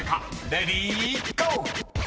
［レディーゴー！］